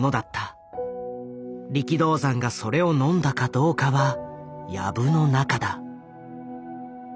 力道山がそれをのんだかどうかは藪の中だ。